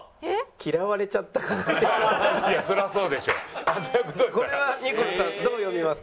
「嫌われちゃったかな」っていう。